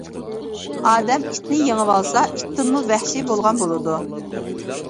ئادەم ئىتنى يېڭىۋالسا ئىتتىنمۇ ۋەھشىي بولغان بولىدۇ.